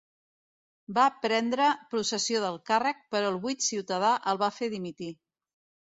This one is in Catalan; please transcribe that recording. Va prendre possessió del càrrec però el buit ciutadà el va fer dimitir.